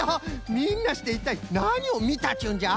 みんなしていったいなにをみたっちゅうんじゃ？